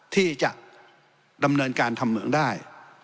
ที่จะดำเนินการทำเมืองได้